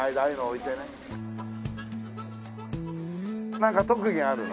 なんか特技はあるの？